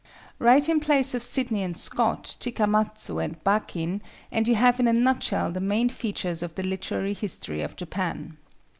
Write in place of Sidney and Scott, Chikamatsu and Bakin, and you have in a nutshell the main features of the literary history of Japan.